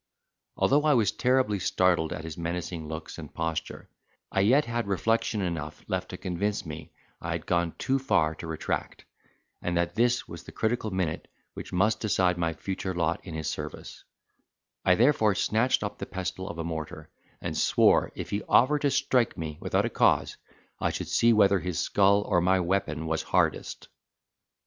Although I was terribly startled at his menacing looks and posture, I yet had reflection enough left to convince me I had gone too far to retract, and that this was the critical minute which must decide my future lot in his service; I therefore snatched up the pestle of a mortar, and swore, if he offered to strike me without a cause, I should see whether his skull or my weapon was hardest.